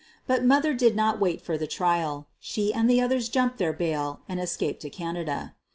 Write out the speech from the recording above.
But "Mother" did not wait for the trial. She and the others "jumped" their bail and escaped to Canada.